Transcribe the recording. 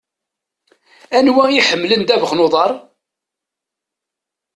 Anwa i iḥemmlen ddabex n uḍaṛ?